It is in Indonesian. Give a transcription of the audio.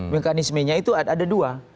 mekanismenya itu ada dua